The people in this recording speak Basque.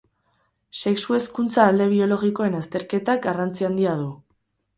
Sexu hezkuntza alde biologikoen azterketak garrantzi handia du.